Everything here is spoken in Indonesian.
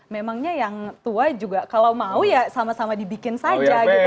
memangnya yang tua juga kalau mau ya sama sama dibikin saja gitu